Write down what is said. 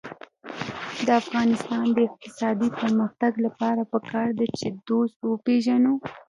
د افغانستان د اقتصادي پرمختګ لپاره پکار ده چې دوست وپېژنو.